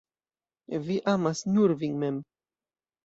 Vi amas nur vin mem.